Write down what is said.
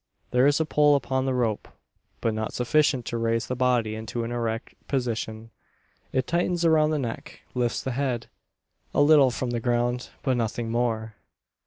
There is a pull upon the rope, but not sufficient to raise the body into an erect position. It tightens around the neck; lifts the head a little from the ground, but nothing more!